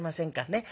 ねっ。